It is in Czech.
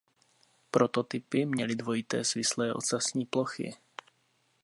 Prototypy měly dvojité svislé ocasní plochy.